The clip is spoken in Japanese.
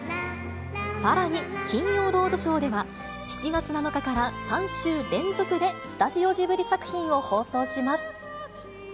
さらに、金曜ロードショーでは、７月７日から３週連続でスタジオジブリ作品を放送します。